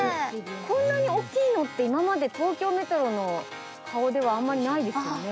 こんなにおっきいのって今まで東京メトロの顔ではあんまりないですよね。